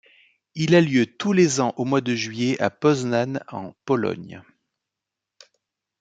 Il a lieu tous les ans au mois de juillet à Poznań, en Pologne.